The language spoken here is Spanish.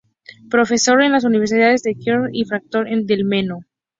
Profesor en las universidades de Königsberg y de Fráncfort del Meno.